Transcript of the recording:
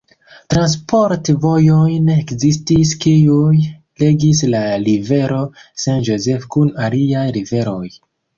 Transport-vojojn ekzistis kiuj ligis la Rivero St. Joseph kun aliaj riveroj.